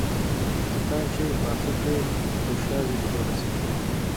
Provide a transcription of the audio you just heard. توتان چې پاخه کړې دوښا ځنې جوړه سې